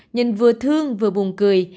nhìn vừa thương vừa buồn cười